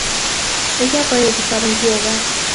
Ella fue educada en su hogar.